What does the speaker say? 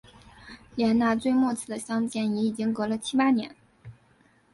连那最末次的相见也已经隔了七八年